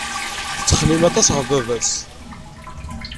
Yettxemmim aṭas ɣef baba-s.